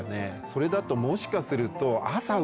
それだともしかすると。